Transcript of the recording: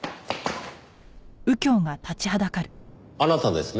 あなたですね？